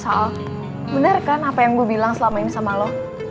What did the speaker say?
soal benar kan apa yang gue bilang selama ini sama lo